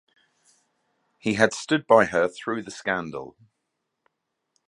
He had stood by her through the scandal.